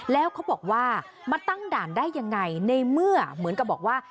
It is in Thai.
แล้วเขาบอกว่ามาตั้งด่านได้ยังไงในเมื่อเหมือนกับบอกว่า